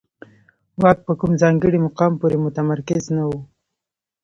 واک په کوم ځانګړي مقام پورې متمرکز نه و